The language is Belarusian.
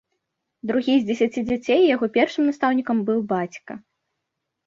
Другі з дзесяці дзяцей, яго першым настаўнікам быў бацька.